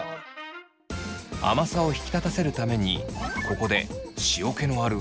甘さを引き立たせるためにここで塩気のある韓国のりを。